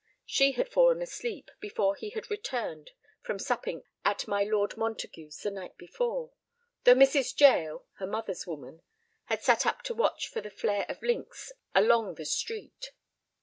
She had fallen asleep before he had returned from supping at my Lord Montague's the night before, though Mrs. Jael—her mother's woman, had sat up to watch for the flare of links along the street.